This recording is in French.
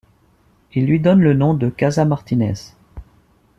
Il lui donne le nom de Casa Martinez.